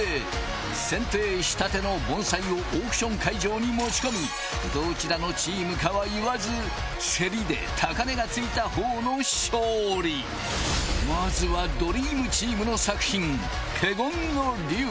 剪定したての盆栽をオークション会場に持ち込みどちらのチームかは言わず競りで高値が付いたほうの勝利まずはドリームチームの作品「華厳の龍」